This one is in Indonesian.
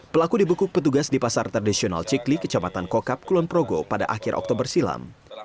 pelaku dibekuk petugas di pasar tradisional cikli kecamatan kokab kulonprogo pada akhir oktober silam